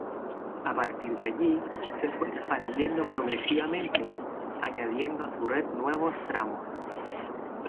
A partir de allí, se fue expandiendo progresivamente, añadiendo a su red nuevos tramos.